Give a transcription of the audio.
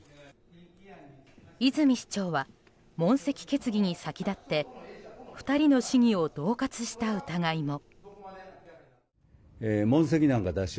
泉市長は問責決議に先立って２人の市議を恫喝した疑いも。